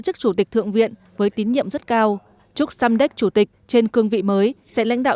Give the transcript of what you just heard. chức chủ tịch thượng viện với tín nhiệm rất cao chúc samdek chủ tịch trên cương vị mới sẽ lãnh đạo